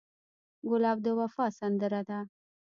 ګلاب د وفا سندره ده.